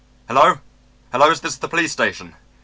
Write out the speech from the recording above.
"Hello, hello! Is this the police station?